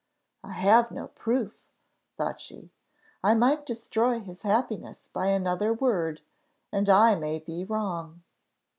"I have no proof," thought she; "I might destroy his happiness by another word, and I may be wrong."